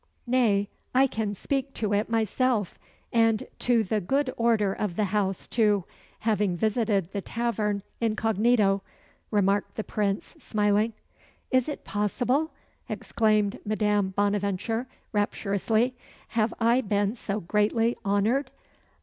"Nay, I can speak to it myself and to the good order of the house too; having visited the tavern incognito," remarked the Prince, smiling. "Is it possible!" exclaimed Madame Bonaventure, rapturously. "Have I been so greatly honoured?